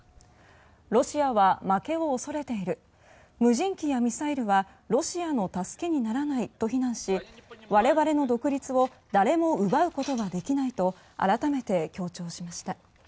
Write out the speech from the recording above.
ロシアは負けを恐れている無人機やミサイルはロシアの助けにならないと非難し我々の独立を誰も奪うことはできないと改めて強調しました。